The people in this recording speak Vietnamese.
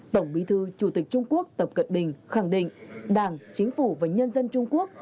tổng bí thư chủ tịch trung quốc tập cận bình khẳng định đảng chính phủ và nhân dân trung quốc